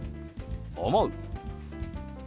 「思う」。